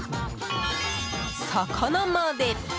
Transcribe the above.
魚まで。